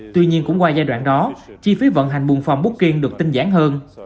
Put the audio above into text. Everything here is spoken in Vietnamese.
tuy nhiên cũng qua giai đoạn đó chi phí vận hành buôn phòng bút kiên được tinh giản hơn